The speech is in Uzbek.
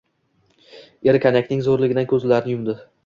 Eri konyakning zo‘rligidan ko‘zlarini yumdi.